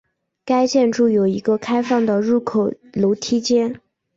该建筑有一个开放的入口楼梯间。